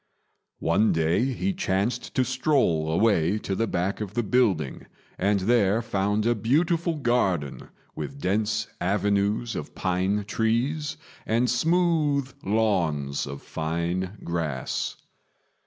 One day he chanced to stroll away to the back of the building, and there found a beautiful garden with dense avenues of pine trees and smooth lawns of fine grass.